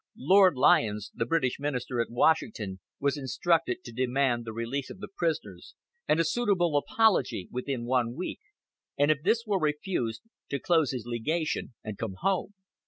Lord Lyons, the British Minister at Washington, was instructed to demand the release of the prisoners and a suitable apology within one week, and if this were refused, to close his legation and come home.